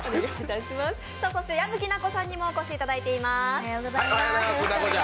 そして矢吹奈子さんにもお越しいただいています。